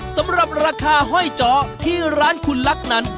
สำหรับราคาห้อยเจาะที่ร้านคุณลักษณ์นั้น